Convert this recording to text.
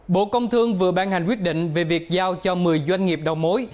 bộ công thương vừa ban hành quyết định về việc giao cho một mươi doanh nghiệp đầu mối